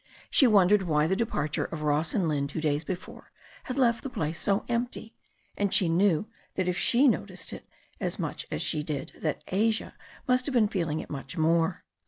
She wondered why the de parture of Ross and Lynne two days before had left the place so empty, and she knew that if she noticed it as much as she did that Asia must have been feeling it much more.